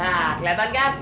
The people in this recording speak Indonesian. nah keliatan kan